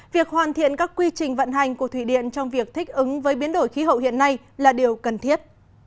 việc hoàn thiện các quy trình vận hành của thủy điện trong việc thích ứng với biến đổi khí hậu hiện nay là điều cần thiết